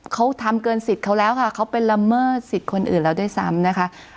เขาทำเกินสิทธิ์เขาแล้วค่ะเขาไปละเมิดสิทธิ์คนอื่นแล้วด้วยซ้ำนะคะ